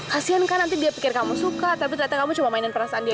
kasian kan nanti dia pikir kamu suka tapi ternyata kamu cuma mainin perasaan dia